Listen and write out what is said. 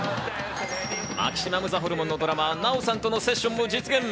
マキシマムザホルモンのドラマー、ナヲさんとのセッションを実現。